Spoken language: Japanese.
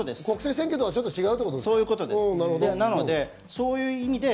国政選挙とは違うということですか？